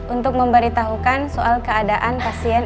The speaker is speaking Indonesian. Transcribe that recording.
untuk memberitahukan soal keadaan pasien